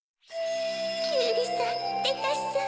キュウリさんレタスさん